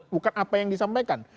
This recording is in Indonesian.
bukan apa yang disampaikan